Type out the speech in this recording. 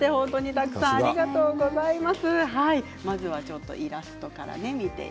たくさんありがとうございます。